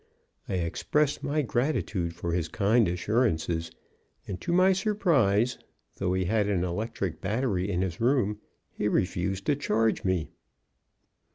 I expressed my gratitude for his kind assurances, and to my surprise, though he had an electric battery in his room, he refused to charge me.